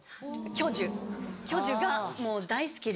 巨樹巨樹がもう大好きで。